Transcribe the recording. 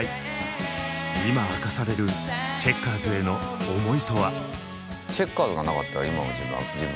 今明かされるチェッカーズへの思いとは。